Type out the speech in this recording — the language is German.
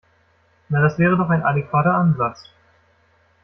Na, das wäre doch ein adäquater Ansatz.